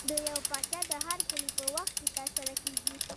د یو پاچا د هرکلي په وخت کې ترسره کېږي.